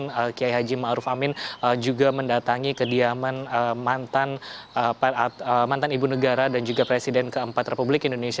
pak kiyai haji maruf amin juga mendatangi kediaman mantan ibu negara dan juga presiden keempat republik indonesia